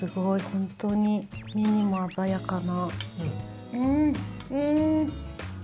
本当に、目にも鮮やかな。